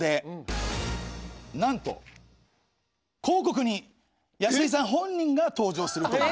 なんと広告に安井さん本人が登場すると。え！